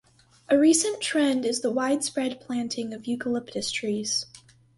A recent trend is the widespread planting of eucalyptus trees.